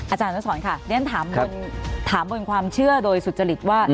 อาจารย์อนุสรค่ะเรียนถามบนความเชื่อโดยสุจริตว่า